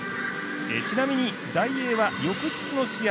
ちなみにダイエーは翌日の試合